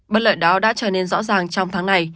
bất lợi đó đã trở nên rõ ràng trong tháng này